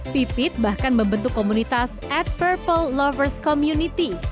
pipit bahkan membentuk komunitas ad purple lovers community